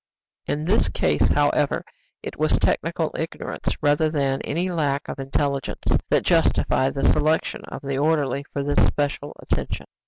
In this case, however, it was technical ignorance, rather than any lack of intelligence, that justified the selection of the orderly for this special attention.